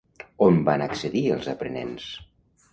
On van accedir els aprenents?